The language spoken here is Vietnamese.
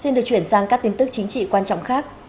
xin được chuyển sang các tin tức chính trị quan trọng khác